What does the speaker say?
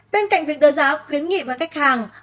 bên cạnh việc đưa giáo khuyến nghị vào khách hàng